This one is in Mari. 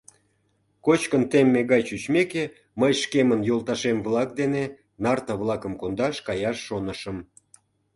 Кочкын темме гай чучмеке, мый шкемын йолташем-влак дене нарта-влакым кондаш каяш шонышым.